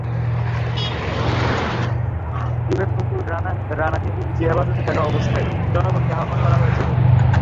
বিবেকমুকুল রানাকে পুলিশি হেফাজতে থাকা অবস্থায় জনগণকে আহ্বান করা হয়েছে ধরিয়ে দিতে।